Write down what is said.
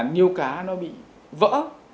niêu cá nó bị vỡ